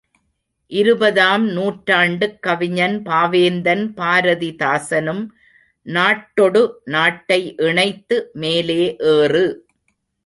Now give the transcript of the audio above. இருபதாம் நூற்றாண்டுக் கவிஞன் பாவேந்தன் பாரதி தாசனும், நாட்டொடு நாட்டை இணைத்து மேலே ஏறு!